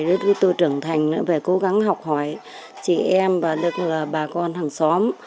rồi tôi trưởng thành nữa phải cố gắng học hỏi chị em và được bà con thằng xóm